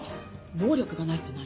能力がないって何？